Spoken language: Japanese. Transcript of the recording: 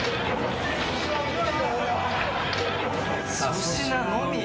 粗品のみ。